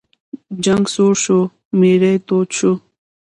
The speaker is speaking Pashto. جنګ سوړ شو، میری تود شو.